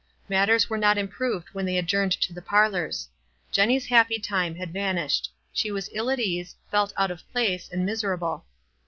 Mat ters were not improved when they adjourned to the parlors. Jenny's happy time had vanished ; she was ill at ease, felt out of place, and miser able.